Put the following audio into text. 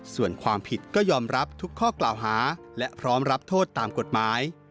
ส่วนความผิดก็ยอมรับทุกข้อกล่าวหาและพร้อมรับโทษตามกฎหมาย